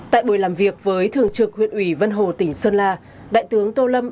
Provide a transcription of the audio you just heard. tại buổi làm việc với thường trực huyện ủy vân hồ tỉnh sơn la đại tướng tô lâm